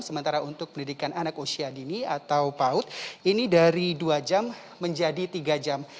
sementara untuk pendidikan anak usia dini atau paut ini dari dua jam menjadi tiga jam